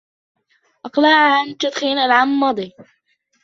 أقلع عن التدخين العام الماضي.